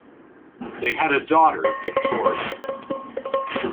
They had a daughter Victoria.